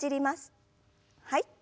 はい。